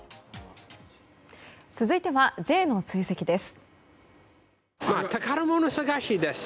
続いてはＪの追跡です。